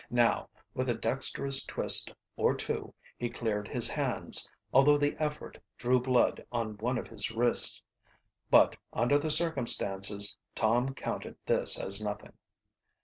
Now, with a dexterous twist or two he cleared his hands, although the effort drew blood on one of his wrists. But, under the circumstances, Tom counted this as nothing.